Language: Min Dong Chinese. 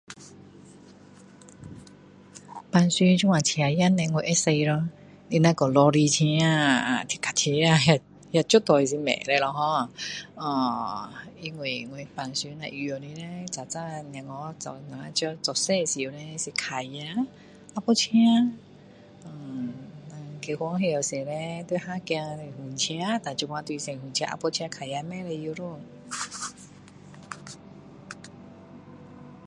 平常这样小车呢我会驾咯他若说罗里车啊坦克车那那绝对是不会的 ho 呃因为我平常若会用的叻早早孩子我们小时候脚车电单车呃结婚后时叻要载孩子用汽车然后现在脚车电单车都不会骑了咯